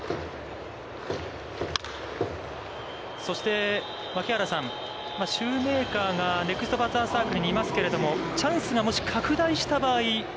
そして槙原さん、シューメーカーがネクストバッターズサークルにいますけれども、チャンスがもし拡大した場合。